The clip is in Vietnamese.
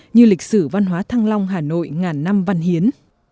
như lịch sử văn hóa thăng long hà nội ngàn năm văn hiến